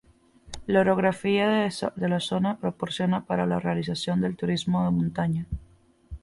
La orografía de la zona es propicia para la realización del turismo de montaña.